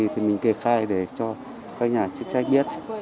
thì mình kê khai để cho các nhà chức trách biết